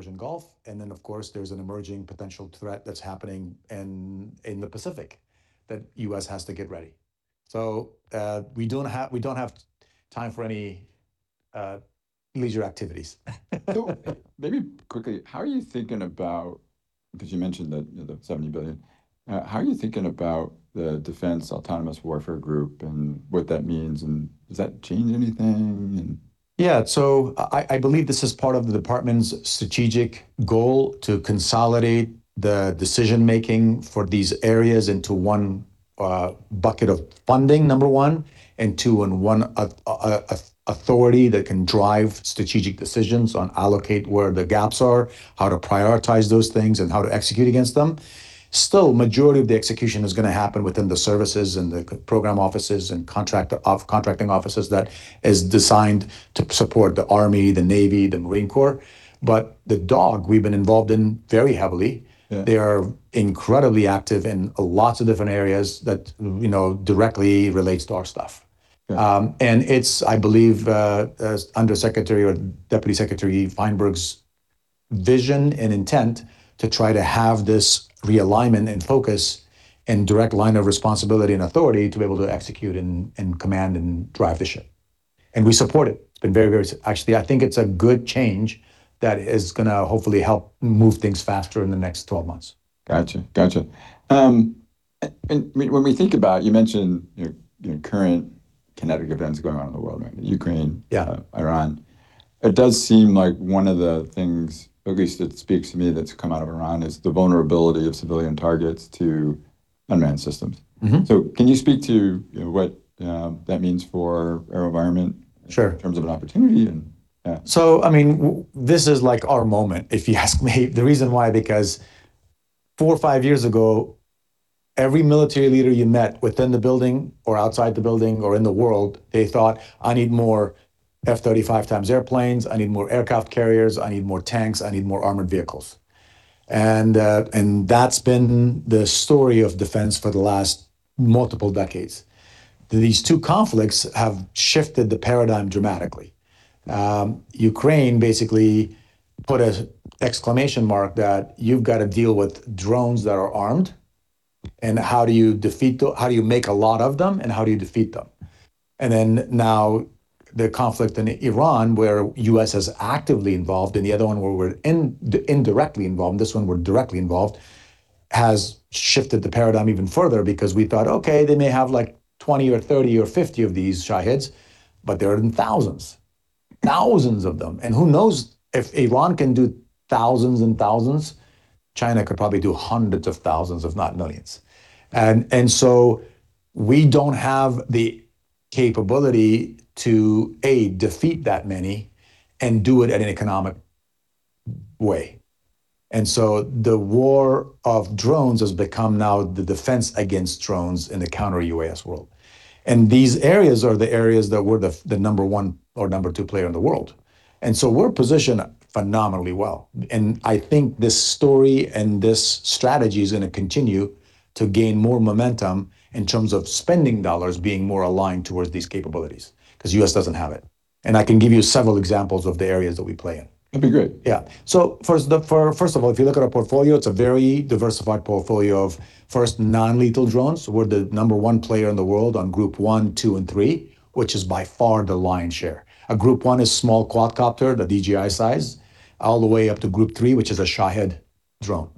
The Persian Gulf, of course there's an emerging potential threat that's happening in the Pacific that U.S. has to get ready. We don't have time for any leisure activities. Maybe quickly, how are you thinking about, 'cause you mentioned the $70 billion, how are you thinking about the Defense Autonomous Warfare Group and what that means, and does that change anything? Yeah. I believe this is part of the department's strategic goal to consolidate the decision-making for these areas into one bucket of funding, number one, and two, and one authority that can drive strategic decisions on allocate where the gaps are, how to prioritize those things, and how to execute against them. Still, majority of the execution is going to happen within the services and the program offices and contracting offices that is designed to support the Army, the Navy, the Marine Corps. The DAWG we've been involved in very heavily. Yeah. They are incredibly active in lots of different areas that, you know, directly relates to our stuff. Yeah. It's, I believe, as Under Secretary or Deputy Secretary Feinberg's vision and intent to try to have this realignment and focus and direct line of responsibility and authority to be able to execute and command and drive the ship. We support it. It's been very actually, I think it's a good change that is going to hopefully help move things faster in the next 12 months. Got you. Got you. When we think about, you mentioned your current kinetic events going on in the world right now, Ukraine. Yeah Iran. It does seem like one of the things, at least that speaks to me that's come out of Iran, is the vulnerability of civilian targets to unmanned systems. Can you speak to, you know, what that means for AeroVironment? Sure in terms of an opportunity and, yeah. I mean, this is, like, our moment, if you ask me. The reason why, because four or five years ago, every military leader you met within the building or outside the building or in the world, they thought, "I need more F-35 type airplanes, I need more aircraft carriers, I need more tanks, I need more armored vehicles." That's been the story of defense for the last multiple decades. These two conflicts have shifted the paradigm dramatically. Ukraine basically put a exclamation mark that you've gotta deal with drones that are armed, and how do you defeat how do you make a lot of them, and how do you defeat them. Now the conflict in Iran where U.S. is actively involved, in the other one we were indirectly involved, in this one we're directly involved, has shifted the paradigm even further because we thought, "Okay, they may have, like, 20 or 30 or 50 of these Shahed," but they're in thousands. Thousands of them. Who knows, if Iran can do thousands and thousands, China could probably do hundreds of thousands, if not millions. We don't have the capability to, A, defeat that many, and do it at an economic way. The war of drones has become now the defense against drones in the counter-UAS world. These areas are the areas that we're the number 1 or number 2 player in the world. We're positioned phenomenally well. I think this story and this strategy's going to continue to gain more momentum in terms of spending dollars being more aligned towards these capabilities, 'cause U.S. doesn't have it. I can give you several examples of the areas that we play in. That'd be great. First of all, if you look at our portfolio, it's a very diversified portfolio of first non-lethal drones. We're the number one player in the world on Group 1, 2, and 3, which is by far the lion's share. A Group 1 is small quadcopter, the DJI size, all the way up to Group 3, which is a Shahed drone.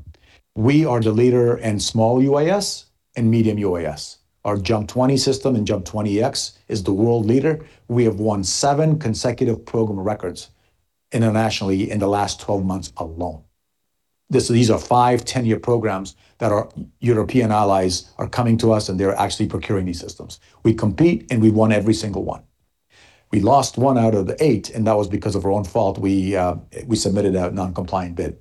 We are the leader in small UAS and medium UAS. Our JUMP 20 system and JUMP 20-X is the world leader. We have won seven consecutive program records internationally in the last 12 months alone. These are 5, 10-year programs that our European allies are coming to us and they're actually procuring these systems. We compete, we've won every single one. We lost one out of the eight, that was because of our own fault. We submitted a non-compliant bid.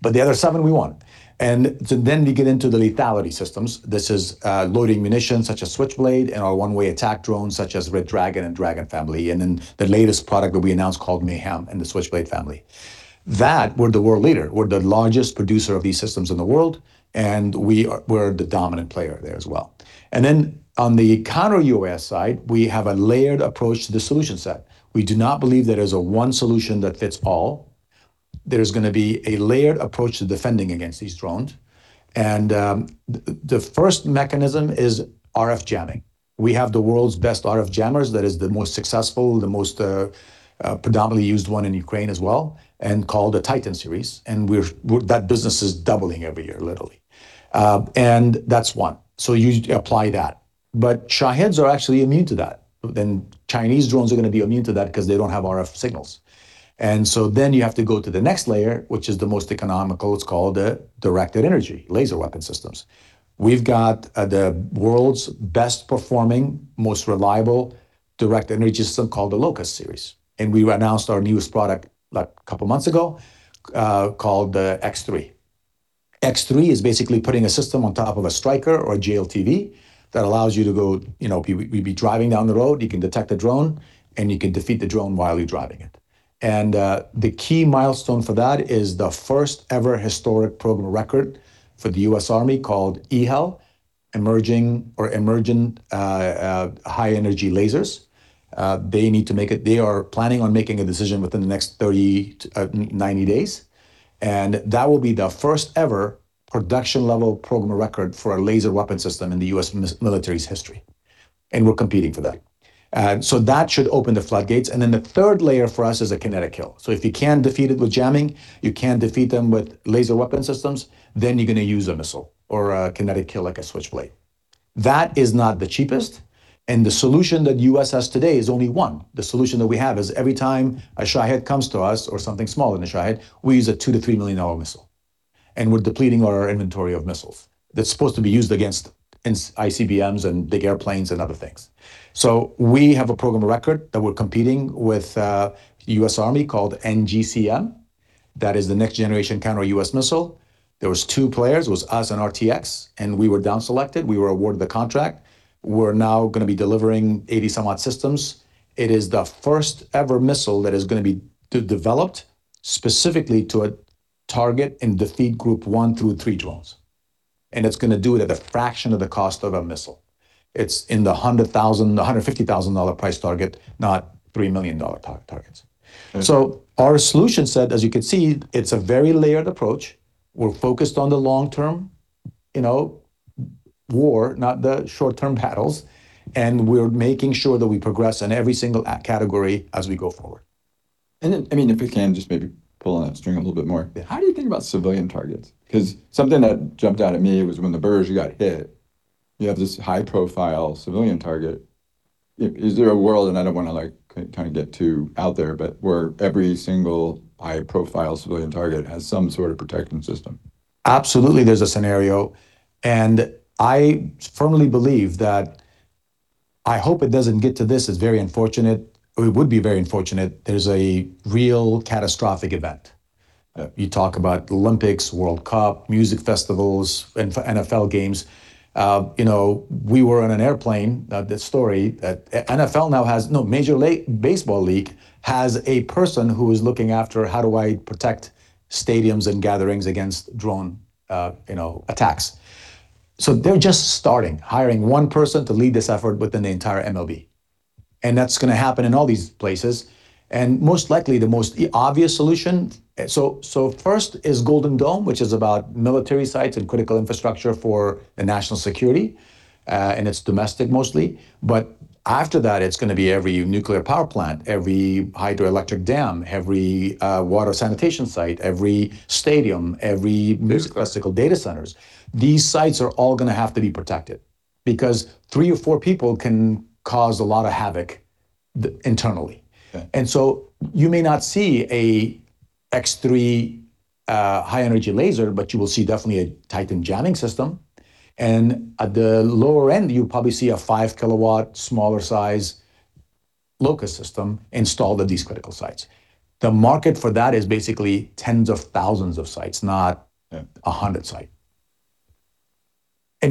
The other seven we won. You get into the lethality systems. This is loading munitions such as Switchblade and our one-way attack drones such as Red Dragon and Dragon family, and then the latest product that we announced called Mayhem and the Switchblade family. That, we're the world leader. We're the largest producer of these systems in the world, and we're the dominant player there as well. On the counter-UAS side, we have a layered approach to the solution set. We do not believe there is a one solution that fits all. There's going to be a layered approach to defending against these drones. The first mechanism is RF jamming. We have the world's best RF jammers that is the most successful, the most predominantly used one in Ukraine as well, and called the Titan Series, and we're that business is doubling every year, literally. That's one. You apply that. Shaheds are actually immune to that. Chinese drones are going to be immune to that 'cause they don't have RF signals. You have to go to the next layer, which is the most economical, it's called directed energy, laser weapon systems. We've got the world's best performing, most reliable directed energy system called the LOCUST Series, and we announced our newest product, like, couple months ago, called the X3. X3 is basically putting a system on top of a Stryker or a JLTV that allows you to go, you know, we'd be driving down the road, you can detect a drone, and you can defeat the drone while you're driving it. The key milestone for that is the first ever historic program record for the U.S. Army called E-HEL. Emerging or emergent high-energy lasers, they are planning on making a decision within the next 30 to 90 days. That will be the first ever production-level program record for a laser weapon system in the U.S. military's history, and we're competing for that. That should open the floodgates. The third layer for us is a kinetic kill. If you can't defeat it with jamming, you can't defeat them with laser weapon systems, then you're going to use a missile or a kinetic kill like a Switchblade. That is not the cheapest, the solution that U.S. has today is only one. The solution that we have is every time a Shahed comes to us or something smaller than a Shahed, we use a $2 million-3 million missile, and we're depleting our inventory of missiles that's supposed to be used against ICBMs and big airplanes and other things. We have a program record that we're competing with U.S. Army called NGCM. That is the next generation counter UAS missile. There was two players. It was us and RTX, we were down selected. We were awarded the contract. We're now going to be delivering 80 some odd systems. It is the first ever missile that is going to be de-developed specifically to a target and defeat Group 1 through 3 drones, and it's going to do it at a fraction of the cost of a missile. It's in the $100,000-150,000 price target, not $3 million targets. Okay. Our solution set, as you can see, it's a very layered approach. We're focused on the long-term, you know, war, not the short-term battles, and we're making sure that we progress in every single at category as we go forward. I mean, if we can just maybe pull on that string a little bit more, how do you think about civilian targets? 'Cause something that jumped out at me was when Burj Khalifa got hit, you have this high-profile civilian target. Is there a world, and I don't want to like kind of get too out there, but where every single high-profile civilian target has some sort of protection system? Absolutely, there's a scenario, and I firmly believe that I hope it doesn't get to this. It's very unfortunate, or it would be very unfortunate if there's a real catastrophic event. You talk about the Olympics, World Cup, music festivals, and NFL games. You know, we were on an airplane, this story. Major League Baseball has a person who is looking after, "How do I protect stadiums and gatherings against drone, you know, attacks?" They're just starting, hiring one person to lead this effort within the entire MLB, and that's going to happen in all these places. Most likely, the most obvious solution first is Golden Dome, which is about military sites and critical infrastructure for the national security, and it's domestic mostly. After that, it's going to be every nuclear power plant, every hydroelectric dam, every water sanitation site, every stadium. Music festival critical data centers. These sites are all going to have to be protected because three or four people can cause a lot of havoc internally. Okay. You may not see a LOCUST X3 high-energy laser, but you will see definitely a Titan jamming system. At the lower end, you'll probably see a 5 kilowatt smaller size LOCUST system installed at these critical sites. The market for that is basically tens of thousands of sites, not a- Yeah -100 site.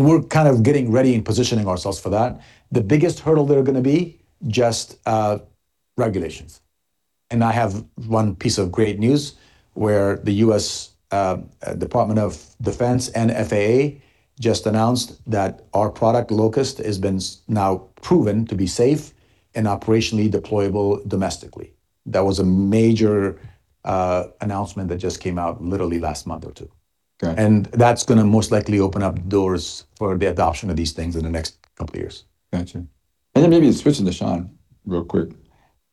We're kind of getting ready and positioning ourselves for that. The biggest hurdle that are going to be just regulations. I have one piece of great news where the U.S. Department of Defense and FAA just announced that our product, LOCUST, has been now proven to be safe and operationally deployable domestically. That was a major announcement that just came out literally last month or two. Okay. That's going to most likely open up doors for the adoption of these things in the next couple years. Got you. Maybe switching to Sean real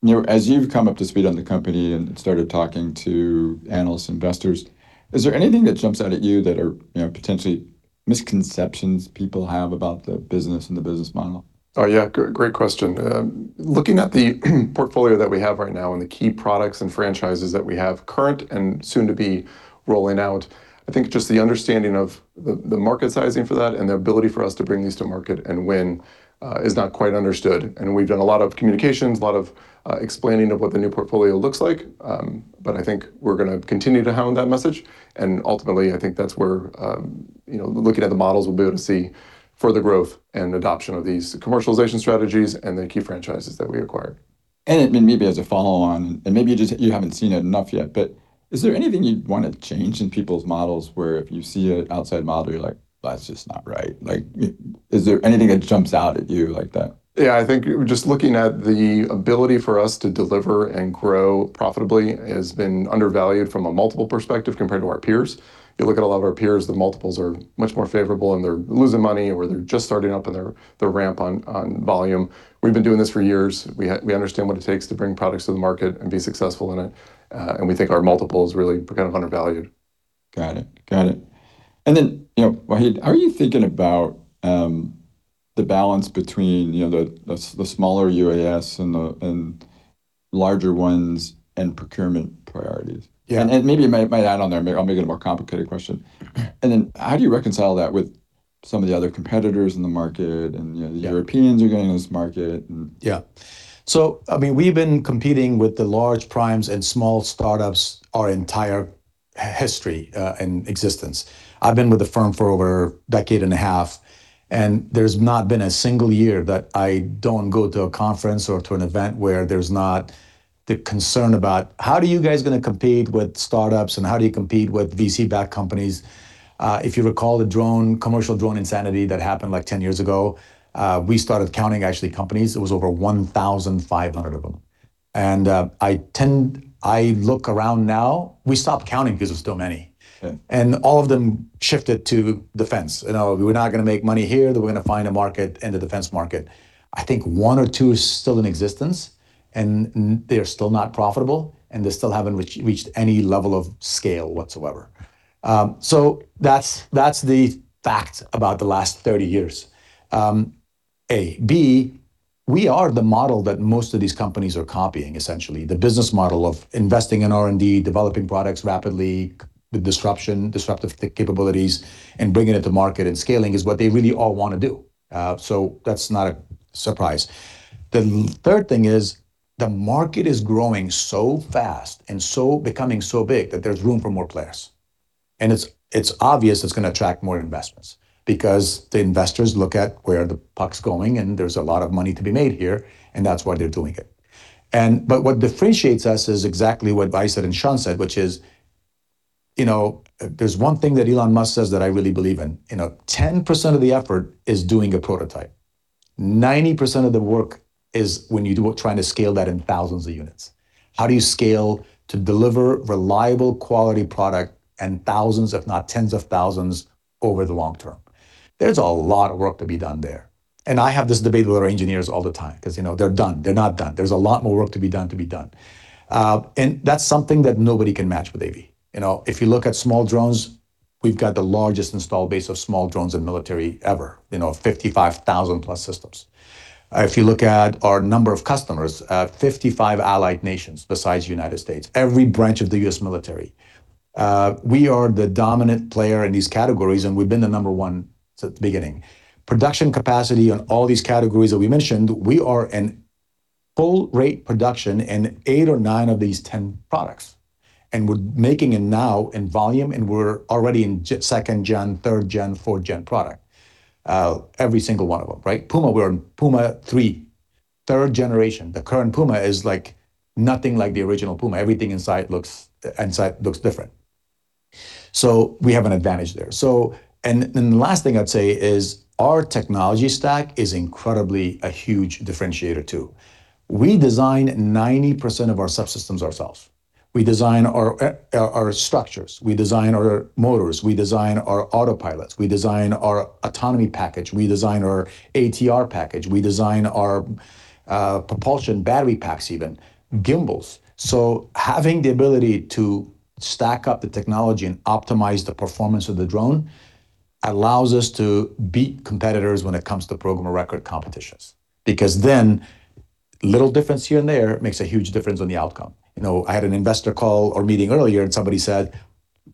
quick. You know, as you've come up to speed on the company and started talking to analysts, investors, is there anything that jumps out at you that are, you know, potentially misconceptions people have about the business and the business model? Oh, yeah. Great question. Looking at the portfolio that we have right now and the key products and franchises that we have current and soon to be rolling out, I think just the understanding of the market sizing for that and the ability for us to bring these to market and win is not quite understood. We've done a lot of communications, a lot of explaining of what the new portfolio looks like. I think we're going to continue to hound that message. Ultimately, I think that's where, you know, looking at the models, we'll be able to see further growth and adoption of these commercialization strategies and the key franchises that we acquired. Maybe as a follow on, and maybe you just, you haven't seen it enough yet, but is there anything you'd want to change in people's models where if you see a outside model, you're like, "Well, that's just not right"? Like, is there anything that jumps out at you like that? I think just looking at the ability for us to deliver and grow profitably has been undervalued from a multiple perspective compared to our peers. You look at a lot of our peers, the multiples are much more favorable, they're losing money or they're just starting up and they're ramp on volume. We've been doing this for years. We understand what it takes to bring products to the market and be successful in it, we think our multiple is really kind of undervalued. Got it. Got it. Then, you know, Wahid, how are you thinking about, the balance between, you know, the smaller UAS and larger ones and procurement priorities? Yeah. Maybe you might add on there. I'll make it a more complicated question. How do you reconcile that with some of the other competitors in the market and, you know. Yeah the Europeans are going into this market and. I mean, we've been competing with the large primes and small startups our entire history and existence. I've been with the firm for over a decade and a half, and there's not been a single year that I don't go to a conference or to an event where the concern about how do you guys going to compete with startups and how do you compete with VC-backed companies? If you recall the drone, commercial drone insanity that happened like 10 years ago, we started counting actually companies. It was over 1,500 of them. I look around now, we stopped counting because there's so many. Okay. All of them shifted to defense. You know, we're not going to make money here, then we're going to find a market in the defense market. I think one or two is still in existence, and they are still not profitable, and they still haven't reached any level of scale whatsoever. That's, that's the fact about the last 30 years, A. B, we are the model that most of these companies are copying, essentially. The business model of investing in R&D, developing products rapidly, the disruption, disruptive capabilities, and bringing it to market and scaling is what they really all want to do. That's not a surprise. The third thing is the market is growing so fast and so becoming so big that there's room for more players. It's obvious it's going to attract more investments, because the investors look at where the buck's going, and there's a lot of money to be made here, and that's why they're doing it. But what differentiates us is exactly what Wahid Nawabi and Sean said, which is, you know, there's one thing that Elon Musk says that I really believe in. You know, 10% of the effort is doing a prototype. 90% of the work is when trying to scale that in thousands of units. How do you scale to deliver reliable, quality product and thousands, if not tens of thousands over the long term? There's a lot of work to be done there. I have this debate with our engineers all the time, 'cause, you know, they're done. They're not done. There's a lot more work to be done. That's something that nobody can match with AV. You know, if you look at small drones, we've got the largest install base of small drones in military ever. You know, 55,000 plus systems. If you look at our number of customers, 55 allied nations besides U.S. Every branch of the U.S. military. We are the dominant player in these categories, and we've been the number one since the beginning. Production capacity on all these categories that we mentioned, we are in full rate production in eight or nine of these 10 products. We're making it now in volume, and we're already in second gen, third gen, fourth gen product. Every single one of them, right? Puma, we're in Puma 3, 3G. The current Puma is like nothing like the original Puma. Everything inside looks different. We have an advantage there. The last thing I'd say is our technology stack is incredibly a huge differentiator too. We design 90% of our subsystems ourselves. We design our structures. We design our motors. We design our autopilots. We design our autonomy package. We design our ATR package. We design our propulsion battery packs even. Gimbals. Having the ability to stack up the technology and optimize the performance of the drone allows us to beat competitors when it comes to program of record competitions. Little difference here and there makes a huge difference on the outcome. You know, I had an investor call or meeting earlier, somebody said,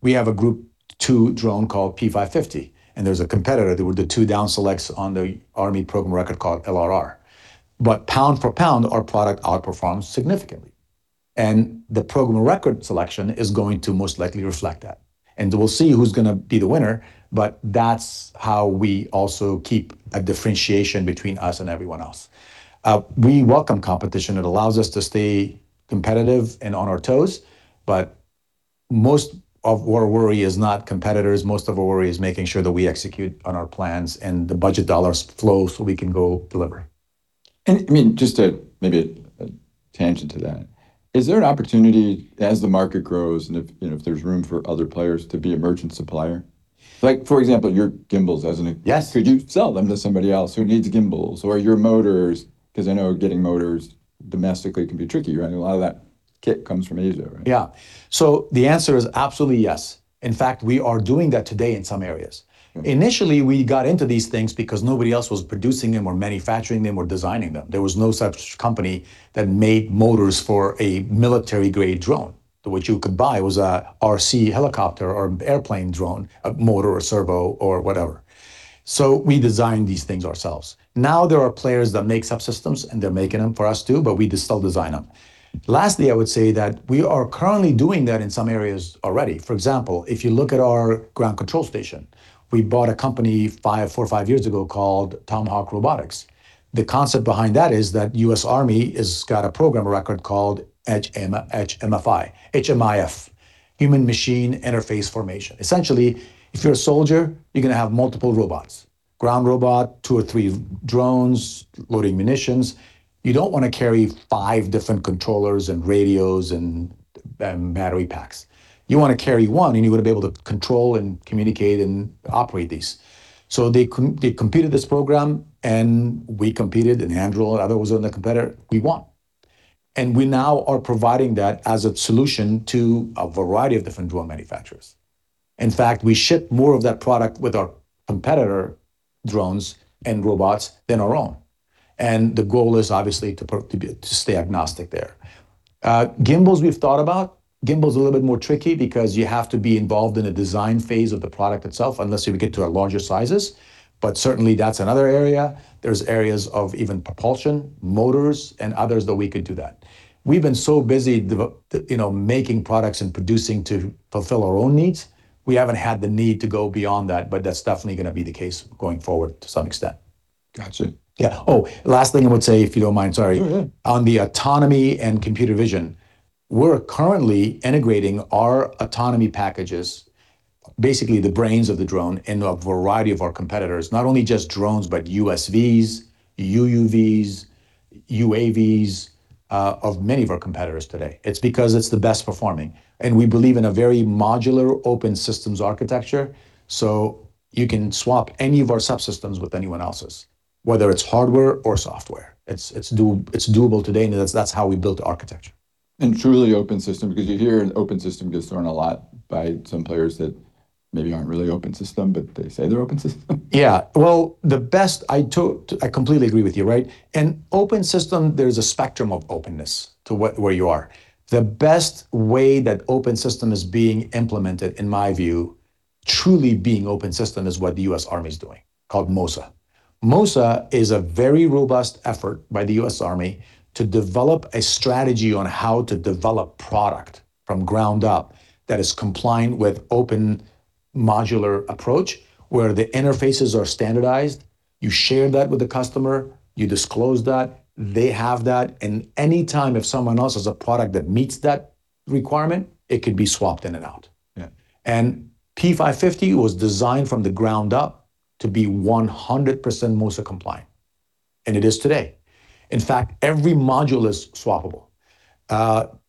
"We have a Group 2 drone called P550." There's a competitor that were the two down selects on the U.S. Army program of record called LRR. Pound for pound, our product outperforms significantly. The program record selection is going to most likely reflect that. We'll see who's going to be the winner, but that's how we also keep a differentiation between us and everyone else. We welcome competition. It allows us to stay competitive and on our toes, but most of our worry is not competitors. Most of our worry is making sure that we execute on our plans and the budget dollars flow so we can go deliver. I mean, just a maybe a tangent to that. Is there an opportunity as the market grows and if, you know, if there's room for other players to be a merchant supplier? Like for example, your gimbals. Yes. Could you sell them to somebody else who needs gimbals or your motors? 'Cause I know getting motors domestically can be tricky, right? A lot of that kit comes from Asia, right? Yeah. The answer is absolutely yes. In fact, we are doing that today in some areas. Okay. Initially, we got into these things because nobody else was producing them or manufacturing them or designing them. There was no such company that made motors for a military-grade drone. What you could buy was a RC helicopter or airplane drone, a motor or servo or whatever. We designed these things ourselves. Now there are players that make subsystems, and they're making them for us too, but we still design them. Lastly, I would say that we are currently doing that in some areas already. For example, if you look at our ground control station, we bought a company four or five years ago called Tomahawk Robotics. The concept behind that is that U.S. Army has got a program record called HMIF, Human-Machine Integrated Formations. Essentially, if you're a soldier, you're going to have multiple robots. Ground robot, two or three drones loading munitions. You don't want to carry five different controllers and radios and battery packs. You want to carry one, you want to be able to control and communicate and operate these. They competed this program, and we competed, and Anduril and others were the competitor. We won. We now are providing that as a solution to a variety of different drone manufacturers. In fact, we ship more of that product with our competitor drones and robots than our own. The goal is obviously to stay agnostic there. Gimbals we've thought about. Gimbal's a little bit more tricky because you have to be involved in a design phase of the product itself unless you get to larger sizes. Certainly, that's another area. There's areas of even propulsion, motors, and others that we could do that. We've been so busy you know, making products and producing to fulfill our own needs, we haven't had the need to go beyond that. That's definitely going to be the case going forward to some extent. Got you. Yeah. Oh, last thing I would say, if you don't mind, sorry. Sure. Yeah. On the autonomy and computer vision, we're currently integrating our autonomy packages, basically the brains of the drone, into a variety of our competitors. Not only just drones, but USVs, UUVs, UAVs, of many of our competitors today. It's because it's the best performing, and we believe in a very modular open systems architecture, so you can swap any of our subsystems with anyone else's, whether it's hardware or software. It's doable today. That's how we built the architecture. Truly open system because you hear an open system gets thrown a lot by some players that maybe aren't really open system, but they say they're open system. Yeah. Well, the best I completely agree with you, right? An open system, there's a spectrum of openness to what where you are. The best way that open system is being implemented, in my view, truly being open system, is what the U.S. Army's doing, called MOSA. MOSA is a very robust effort by the U.S. Army to develop a strategy on how to develop product from ground up that is compliant with open modular approach, where the interfaces are standardized. You share that with the customer, you disclose that, they have that, and any time if someone else has a product that meets that requirement, it could be swapped in and out. Yeah. P550 was designed from the ground up to be 100% MOSA compliant, and it is today. In fact, every module is swappable.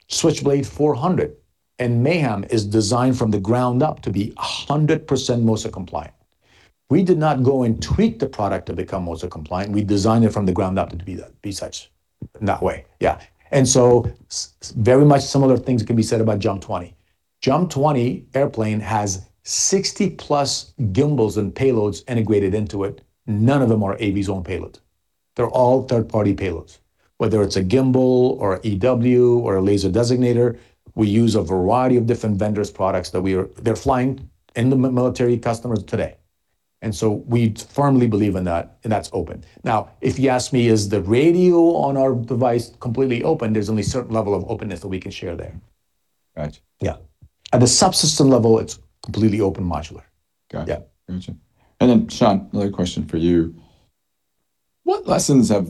Switchblade 400 and MAYHEM 10 is designed from the ground up to be 100% MOSA compliant. We did not go and tweak the product to become MOSA compliant. We designed it from the ground up to be such in that way. Yeah. Very much similar things can be said about JUMP 20. JUMP 20 airplane has 60-plus gimbals and payloads integrated into it. None of them are AV's own payload. They're all third-party payloads. Whether it's a gimbal or EW or a laser designator, we use a variety of different vendors' products that they're flying in the military customers today. We firmly believe in that, and that's open. If you ask me, "Is the radio on our device completely open?" There's only a certain level of openness that we can share there. Got you. Yeah. At the subsystem level, it's completely open modular. Got it. Yeah. Got you. Sean, another question for you. What lessons have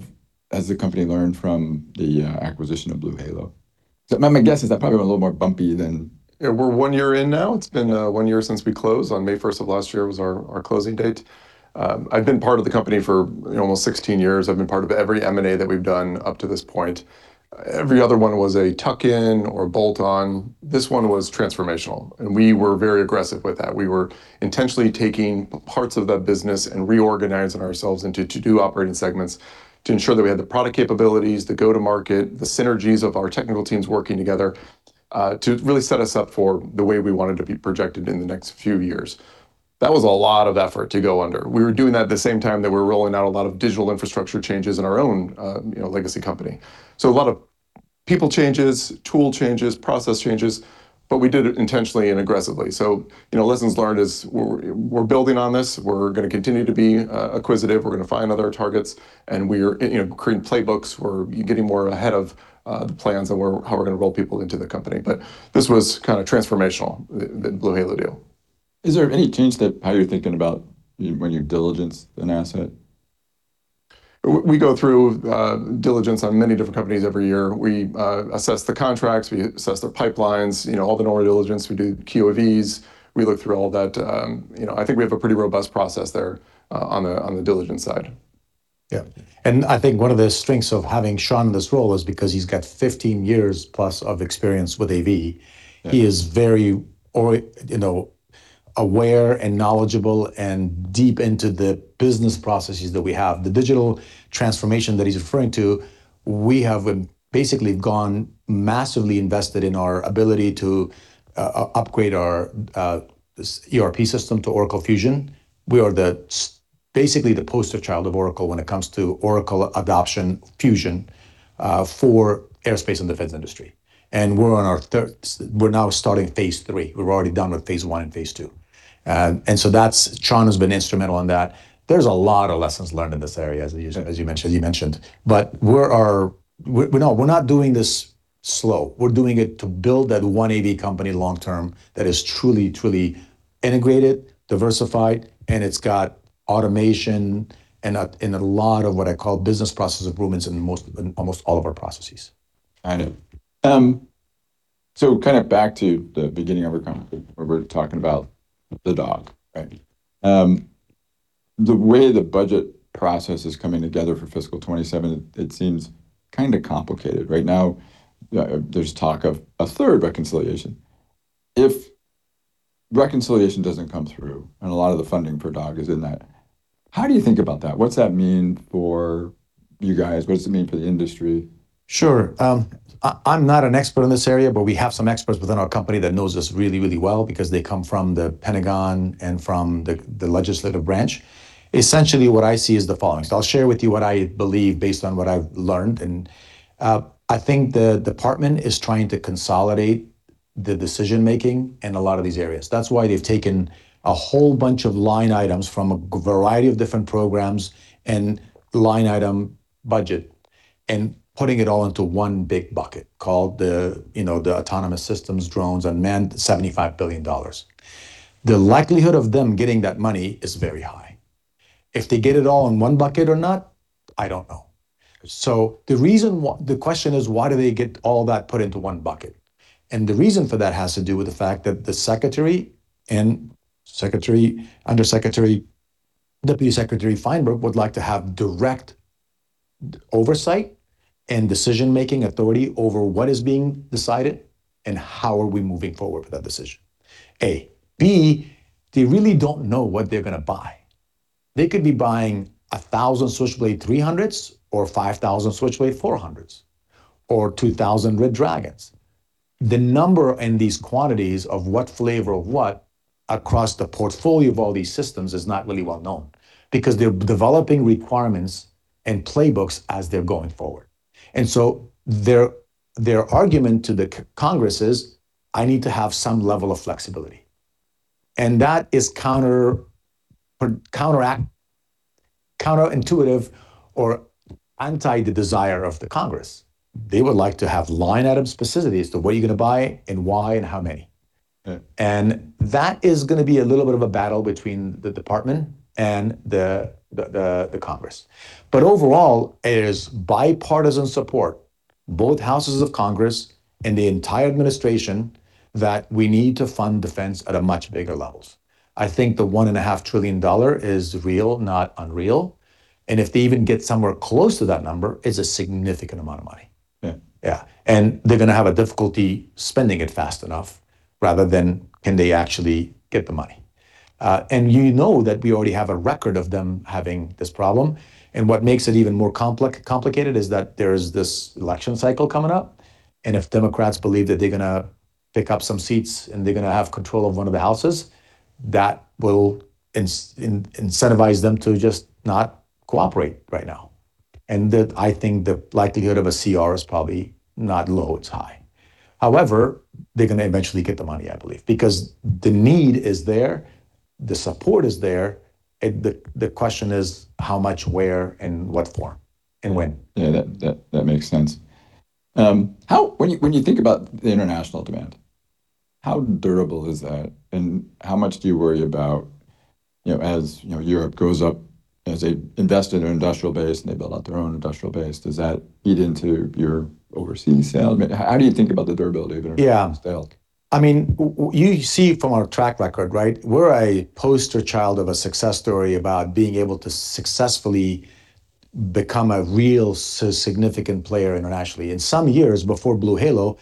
as a company learned from the acquisition of BlueHalo? My, my guess is that probably a little more bumpy than- We're one year in now. It's been one year since we closed. On May 1st of last year was our closing date. I've been part of the company for, you know, almost 16 years. I've been part of every M&A that we've done up to this point. Every other one was a tuck-in or bolt-on. This one was transformational. We were very aggressive with that. We were intentionally taking parts of that business and reorganizing ourselves into two operating segments to ensure that we had the product capabilities, the go-to-market, the synergies of our technical teams working together to really set us up for the way we wanted to be projected in the next few years. That was a lot of effort to go under. We were doing that at the same time that we were rolling out a lot of digital infrastructure changes in our own, you know, legacy company. A lot of people changes, tool changes, process changes, but we did it intentionally and aggressively. You know, lessons learned is we're building on this. We're going to continue to be acquisitive. We're going to find other targets, and we are, you know, creating playbooks. We're getting more ahead of the plans on where how we're going to roll people into the company. This was Kind of transformational, the BlueHalo deal. Is there any change to how you're thinking about when you diligence an asset? We go through diligence on many different companies every year. We assess the contracts. We assess their pipelines. You know, all the normal diligence. We do QofE. We look through all that. You know, I think we have a pretty robust process there on the diligence side. Yeah. I think one of the strengths of having Sean in this role is because he's got 15 years plus of experience with AV. Yeah. He is very, you know, aware and knowledgeable and deep into the business processes that we have. The digital transformation that he's referring to, we have basically gone massively invested in our ability to upgrade our ERP system to Oracle Fusion. We are basically the poster child of Oracle when it comes to Oracle adoption Fusion for aerospace and defense industry, and we're on our third we're now starting phase III. We're already done with phase 1 and phase 2. Sean has been instrumental in that. There's a lot of lessons learned in this area, as you mentioned. We're not doing this slow. We're doing it to build that one AV company long term that is truly integrated, diversified, and it's got automation and a, and a lot of what I call business process improvements in most, in almost all of our processes. I know. Kind of back to the beginning of our where we're talking about the DAWG, right? The way the budget process is coming together for fiscal 27, it seems kind of complicated. Right now, there's talk of a third reconciliation. If reconciliation doesn't come through, and a lot of the funding for DAWG is in that, how do you think about that? What's that mean for you guys? What does it mean for the industry? Sure. I'm not an expert in this area, but we have some experts within our company that knows this really, really well because they come from the Pentagon and from the legislative branch. Essentially, what I see is the following. I'll share with you what I believe based on what I've learned, and I think the department is trying to consolidate the decision-making in a lot of these areas. That's why they've taken a whole bunch of line items from a variety of different programs and line item Budget and putting it all into one big bucket called the autonomous systems drones unmanned $75 billion. The likelihood of them getting that money is very high. If they get it all in one bucket or not, I don't know. The reason the question is, why do they get all that put into one bucket? The reason for that has to do with the fact that the secretary, undersecretary, Deputy Secretary Feinberg would like to have direct oversight and decision-making authority over what is being decided and how are we moving forward with that decision, A. B, they really don't know what they're going to buy. They could be buying 1,000 Switchblade 300s or 5,000 Switchblade 400s or 2,000 Red Dragons. The number and these quantities of what flavor of what across the portfolio of all these systems is not really well known because they're developing requirements and playbooks as they're going forward. Their argument to the Congress is, "I need to have some level of flexibility." That is counterintuitive or anti the desire of the Congress. They would like to have line item specificity as to what you're going to buy and why, and how many. Yeah. That is going to be a little bit of a battle between the department and the Congress. Overall, it is bipartisan support, both Houses of Congress and the entire administration that we need to fund defense at a much bigger levels. I think the $1.5 trillion is real, not unreal, and if they even get somewhere close to that number is a significant amount of money. Yeah. Yeah. They're going to have a difficulty spending it fast enough rather than can they actually get the money. You know that we already have a record of them having this problem, and what makes it even more complicated is that there is this election cycle coming up, and if Democrats believe that they're going to pick up some seats and they're going to have control of one of the Houses, that will incentivize them to just not cooperate right now. That I think the likelihood of a CR is probably not low, it's high. However, they're going to eventually get the money, I believe, because the need is there, the support is there. The question is how much, where, in what form, and when. Yeah, that makes sense. When you think about the international demand, how durable is that, and how much do you worry about, you know, as, you know, Europe goes up as they invest in their industrial base and they build out their own industrial base, does that eat into your overseas sales? I mean, how do you think about the durability of international sales? Yeah. I mean, you see from our track record, right? We're a poster child of a success story about being able to successfully become a real significant player internationally. In some years before BlueHalo,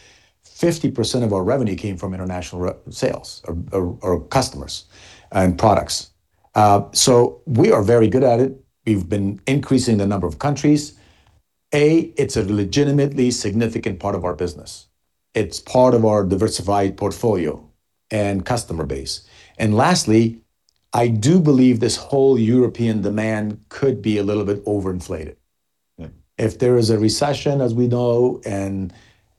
50% of our revenue came from international sales or customers and products. We are very good at it. We've been increasing the number of countries. It's a legitimately significant part of our business. It's part of our diversified portfolio and customer base. Lastly, I do believe this whole European demand could be a little bit overinflated. Yeah. If there is a recession, as we know,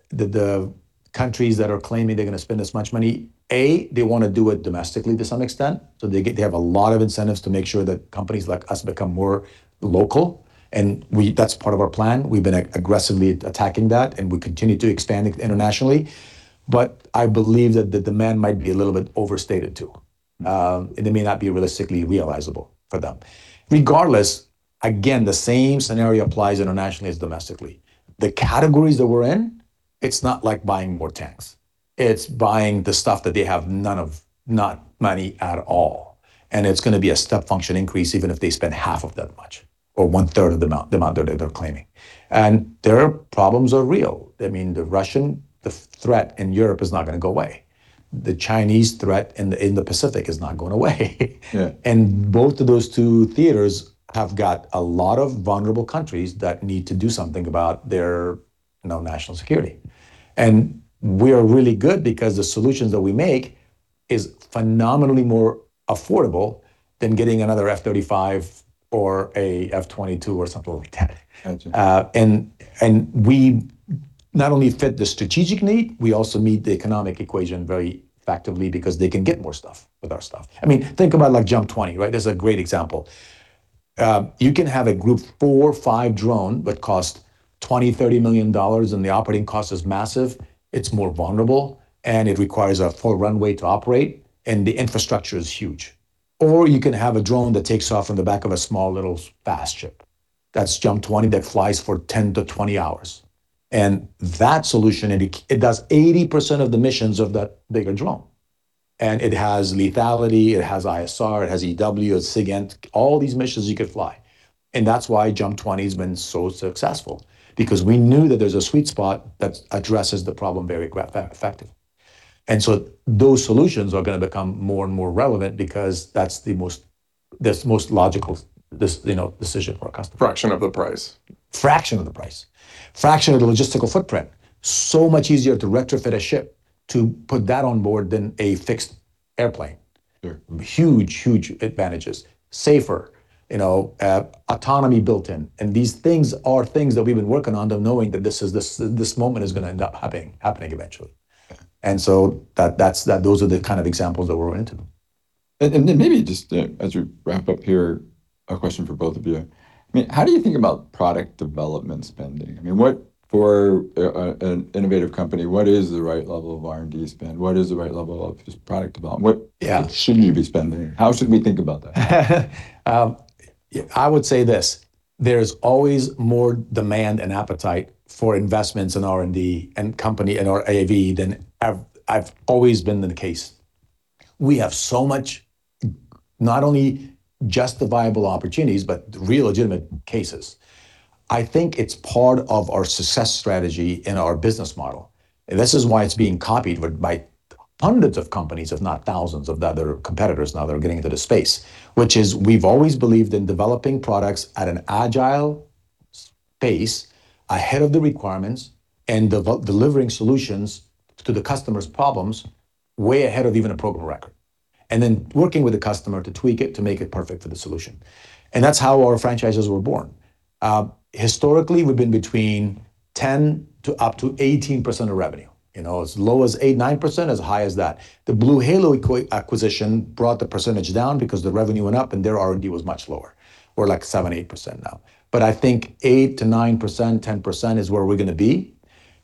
the countries that are claiming they're going to spend this much money, A, they want to do it domestically to some extent. They have a lot of incentives to make sure that companies like us become more local, and that's part of our plan. We've been aggressively attacking that, and we continue to expand it internationally. I believe that the demand might be a little bit overstated, too. It may not be realistically realizable for them. Regardless, again, the same scenario applies internationally as domestically. The categories that we're in, it's not like buying more tanks. It's buying the stuff that they have none of, not money at all, and it's going to be a step function increase even if they spend half of that much or one-third of the amount, the amount that they're claiming. Their problems are real. I mean, the Russian, the threat in Europe is not going to go away. The Chinese threat in the Pacific is not going away. Yeah. Both of those two theaters have got a lot of vulnerable countries that need to do something about their, you know, national security. We are really good because the solutions that we make is phenomenally more affordable than getting another F-35 or a F-22 or something like that. Got you. We not only fit the strategic need, we also meet the economic equation very effectively because they can get more stuff with our stuff. I mean, think about like JUMP 20, right? There's a great example. You can have a Group 4, 5 drone that cost $20 million, $30 million, and the operating cost is massive. It's more vulnerable, and it requires a full runway to operate, and the infrastructure is huge. You can have a drone that takes off on the back of a small little fast ship, that's JUMP 20 that flies for 10 to 20 hours. That solution, it does 80% of the missions of that bigger drone. It has lethality, it has ISR, it has EW, it has SIGINT, all these missions you could fly. That's why JUMP 20 has been so successful because we knew that there's a sweet spot that addresses the problem very effectively. Those solutions are going to become more and more relevant because that's the most logical you know, decision for a customer. Fraction of the price. Fraction of the price. Fraction of the logistical footprint. Much easier to retrofit a ship to put that on board than a fixed airplane. Sure. Huge, huge advantages. Safer, you know, autonomy built in, and these things are things that we've been working on them knowing that this is, this moment is going to end up happening eventually. Yeah. Those are the kind of examples that we're into. Then maybe just, you know, as we wrap up here a question for both of you. I mean, how do you think about product development spending? I mean, what for an innovative company, what is the right level of R&D spend? What is the right level of just product development? Yeah. What should you be spending? How should we think about that? Yeah, I would say this, there's always more demand and appetite for investments in R&D and company and AV than I've always been the case. We have so much not only justifiable opportunities, but real legitimate cases. I think it's part of our success strategy in our business model. This is why it's being copied with by hundreds of companies, if not thousands of other competitors now that are getting into the space. Which is we've always believed in developing products at an agile pace ahead of the requirements and delivering solutions to the customer's problems way ahead of even a program record. Working with the customer to tweak it, to make it perfect for the solution, and that's how our franchises were born. Historically, we've been between 10%-18% of revenue, you know, as low as 8%, 9%, as high as that. The BlueHalo acquisition brought the percentage down because the revenue went up and their R&D was much lower. We're like 7%, 8% now. I think 8%-9%, 10% is where we're going to be.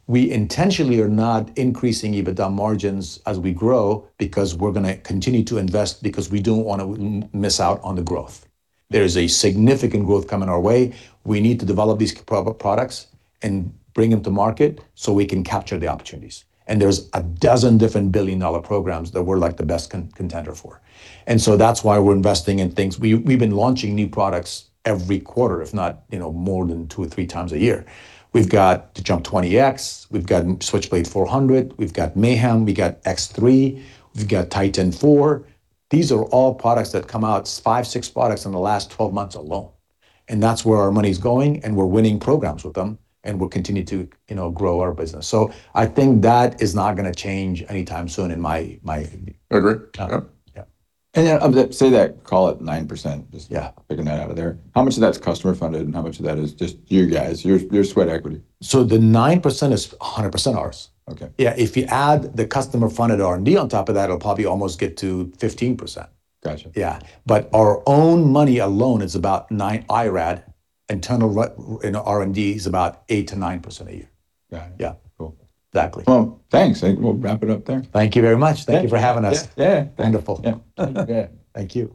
We intentionally are not increasing EBITDA margins as we grow because we're going to continue to invest because we don't want to miss out on the growth. There is a significant growth coming our way. We need to develop these products and bring them to market so we can capture the opportunities. There's a dozen different billion-dollar programs that we're, like, the best contender for. That's why we're investing in things. We've been launching new products every quarter, if not, you know, more than two or three times a year. We've got the JUMP 20-X, we've got Switchblade 400, we've got Mayhem, we got X3, we've got Titan 4. These are all products that come out, five, six products in the last 12 months alone, and that's where our money's going, and we're winning programs with them, and we'll continue to, you know, grow our business. I think that is not going to change anytime soon, in my opinion. I agree. Yeah. Yep. Yeah. Of the say that, call it 9%. Yeah picking that out of there. How much of that's customer funded, and how much of that is just you guys, your sweat equity? The 9% is 100% ours. Okay. Yeah, if you add the customer funded R&D on top of that, it'll probably almost get to 15%. Got you. Yeah, our own money alone is about 9% IRAD internal you know, R&D is about 8%-9% a year. Got it. Yeah. Cool. Exactly. Well, thanks. I think we'll wrap it up there. Thank you very much. Thank you. Thank you for having us. Yeah, yeah. Wonderful. Yeah. Yeah. Thank you.